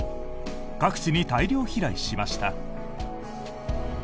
各地に大量飛来しました。